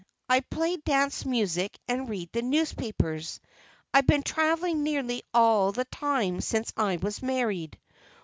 I play dance music, and read the newspapers. I've been traveling nearly all the time since I was married.